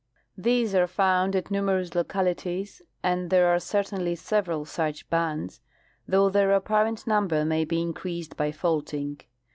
These are found at numerous localities, and there are certainly several such bands, though their apparent number may be increased by faulting.